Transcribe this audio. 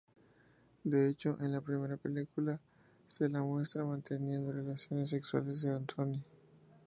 De hecho, en la primera película se la muestra manteniendo relaciones sexuales con Sonny.